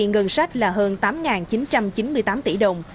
ngân sách là hơn tám chín trăm chín mươi tám tỷ đồng